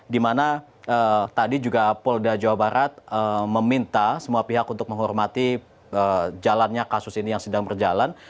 dimana tadi juga polda jawa barat meminta semua pihak untuk menghormati jalannya kasus ini yang sedang berjalan